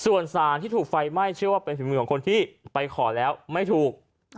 ส่วนสารที่ถูกไฟไหม้เชื่อว่าเป็นฝีมือของคนที่ไปขอแล้วไม่ถูก